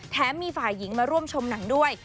มีฝ่ายหญิงมาร่วมชมหนังด้วย